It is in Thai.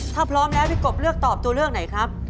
ถ้าพร้อมแล้วพี่กบเลือกตอบตัวเลือกไหนครับ